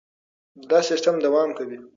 دا سیستم دوام کوي.